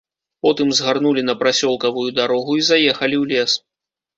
Потым згарнулі на прасёлкавую дарогу і заехалі ў лес.